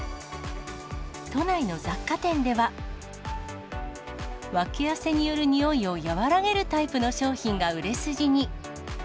都内の雑貨店では、わき汗による臭いを和らげるタイプの商品が売れ筋に。